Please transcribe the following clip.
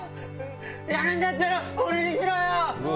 やるんだったら、俺にしろよ。